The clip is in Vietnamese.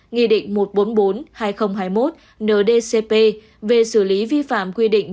nghị định một trăm bốn mươi bốn hai nghìn hai mươi một ndcp về xử lý vi phạm quy định